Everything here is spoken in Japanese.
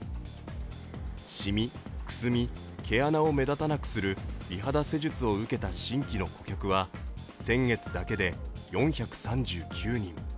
しみ、くすみ、毛穴を目立たなくする美肌施術を受けた新規の顧客は先月だけで４３９人。